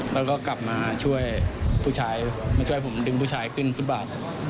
แล้วก็กลับมาช่วยผู้ชายมาช่วยผมดึงผู้ชายขึ้นฟุตบาท